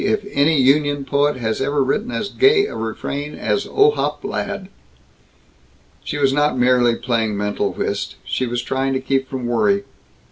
if any union poet has ever written as gay a refrain as 'Ohop Ladd'!" She was not merely playing mental whist. She was trying to keep from worry.